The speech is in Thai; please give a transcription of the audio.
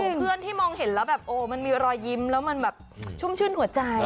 คือเพื่อนที่มองเห็นแล้วแบบโอ้มันมีรอยยิ้มแล้วมันแบบชุ่มชื่นหัวใจ